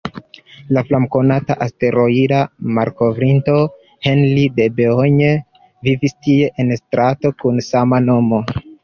La famkonata asteroida malkovrinto Henri Debehogne vivis tie en strato kun sama nomo.